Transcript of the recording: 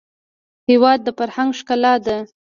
هېواد د فرهنګ ښکلا ده.